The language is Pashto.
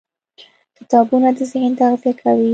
کتابونه د ذهن تغذیه کوي.